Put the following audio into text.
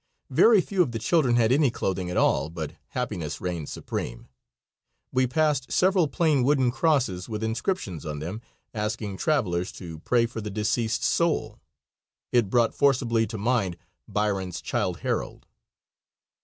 Very few of the children had any clothing at all, but happiness reigned supreme. We passed several plain wooden crosses with inscriptions on them, asking travelers to pray for the deceased's soul. It brought forcibly to mind Byron's "Childe Harold."